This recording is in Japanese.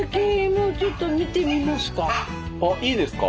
あいいですか？